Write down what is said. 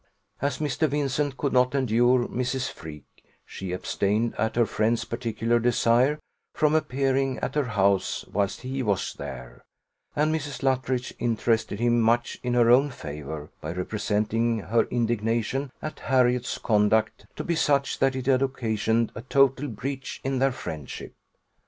As Mr. Vincent could not endure Mrs. Freke, she abstained, at her friend's particular desire, from appearing at her house whilst he was there, and Mrs. Luttridge interested him much in her own favour, by representing her indignation at Harriot's conduct to be such that it had occasioned a total breach in their friendship.